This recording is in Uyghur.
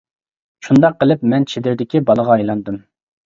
شۇنداق قىلىپ مەن چېدىردىكى بالىغا ئايلاندىم.